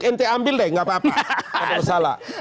ente ambil deh tidak apa apa tidak ada masalah